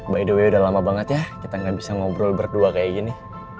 by the way udah lama banget ya kita gak bisa ngobrol berdua kayak gini